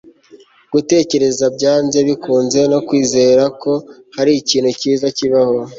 gutegereza byanze bikunze no kwizera ko hari ikintu cyiza kibaho